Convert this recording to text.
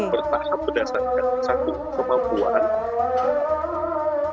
bertahap berdasarkan satu kemampuan